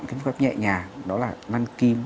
cái phương pháp nhẹ nhàng đó là lăn kim